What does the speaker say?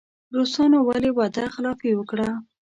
روسانو ولې وعده خلافي وکړه.